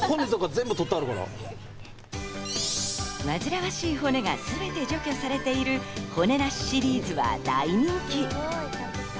わずらわしい骨がすべて除去されている骨なしシリーズは大人気。